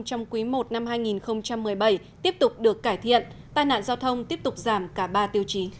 trong quý i năm hai nghìn một mươi bảy tiếp tục được cải thiện tai nạn giao thông tiếp tục giảm cả ba tiêu chí